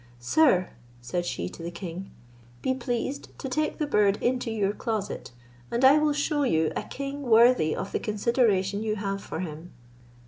"Sir," said she to the king, "be pleased to take the bird into your closet, and I will shew you a king worthy of the consideration you have for him."